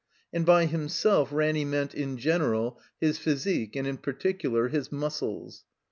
And by "himself*' Ranny meant in general his physique and in particular his muscles.